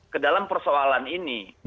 kedalam persoalan ini